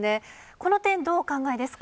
この点、どうお考えですか。